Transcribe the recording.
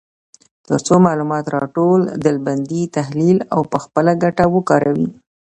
تر څو معلومات راټول، ډلبندي، تحلیل او په خپله ګټه وکاروي.